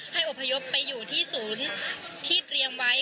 อบพยพไปอยู่ที่ศูนย์ที่เตรียมไว้